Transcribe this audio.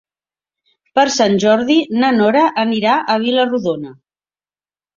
Per Sant Jordi na Nora anirà a Vila-rodona.